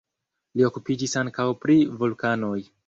Li okupiĝis ankaŭ pri vulkanoj.